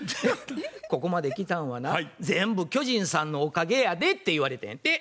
「ここまできたんはな全部巨人さんのおかげやで」って言われたんやて。